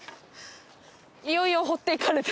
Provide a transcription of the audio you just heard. いよいよ放って行かれた。